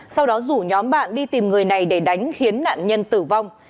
sau đó rủ nhóm bạn đi tìm người này để đánh khiến nạn nhân tử vong